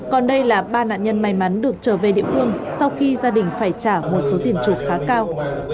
còn đây là ba nạn nhân may mắn được trở về địa phương sau khi gia đình phải trả một số tiền chuộc khá cao